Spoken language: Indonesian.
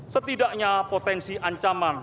setidaknya potensi ancaman